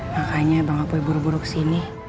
makanya bang akui buru buru kesini